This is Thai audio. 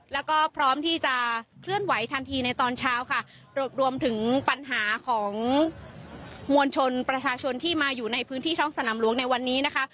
แล้วก็พร้อมที่จะเคลื่อนไหวทันทีในตอนเช้าค่ะรวมถึงปัญหาของมวลชนประชาชนที่มาอยู่ในพื้นที่ท้องสนามหลวงในวันนี้นะคะ